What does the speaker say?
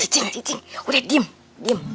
cicik udah diam diam